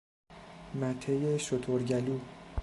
مته شترگلو